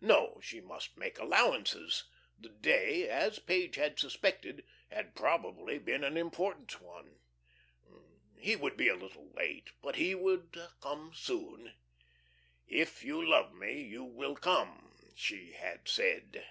No, she must make allowances; the day as Page had suspected had probably been an important one. He would be a little late, but he would come soon. "If you love me, you will come," she had said.